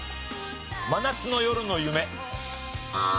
『真夏の夜の夢』。